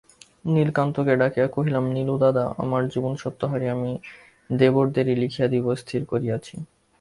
নীলকান্তকে ডাকিয়া কহিলাম–নীলুদাদা, আমার জীবনস্বত্ব আমি দেবরদেরই লিখিয়া দিব স্থির করিয়াছি।